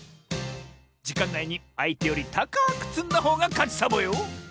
じかんないにあいてよりたかくつんだほうがかちサボよ！